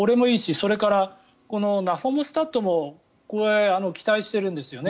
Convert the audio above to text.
それからこのナファモスタットも期待しているんですよね。